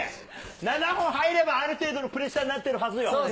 ７本入れば、ある程度のプレッシャーになってるはずよ。